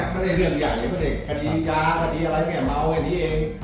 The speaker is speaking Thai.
ไม่ได้เรื่องใหญ่